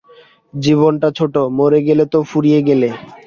জীবনটা ছোট, মরে গেলে তো ফুরিয়ে গেল।